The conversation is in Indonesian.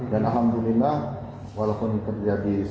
dan alhamdulillah walaupun terjadi sedikit